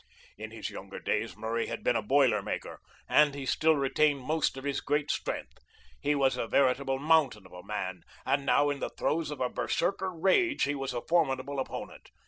In his younger days Murray had been a boiler maker, and he still retained most of his great strength. He was a veritable mountain of a man, and now in the throes of a berserker rage he was a formidable opponent.